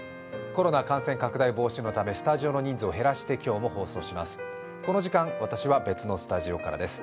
コロナ感染拡大防止のため、スタジオの人数を減らして今日も放送します。